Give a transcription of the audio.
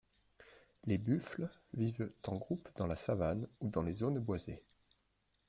Les buffles vivent en groupe dans la savane ou dans les zones boisées.